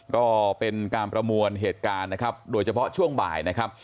ก็เป็นการประมวลเหตุการณ์นะครับโดยเฉพาะช่วงบ่ายนะครับ